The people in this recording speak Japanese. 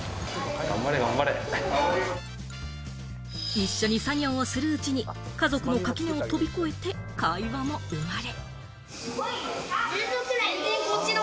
一緒に作業をするうちに家族の垣根を飛び越えて、会話も生まれ。